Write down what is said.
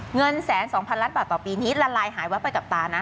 เงินแสน๒๐๐ล้านบาทต่อปีนี้ละลายหายวับไปกับตานะ